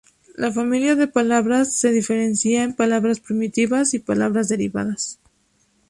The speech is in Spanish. La familia de palabras se diferencia en palabras primitivas y palabras derivadas.